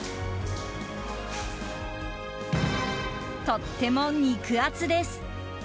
とっても肉厚です。